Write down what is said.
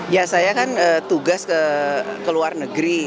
ya saya kan tugas ke luar negeri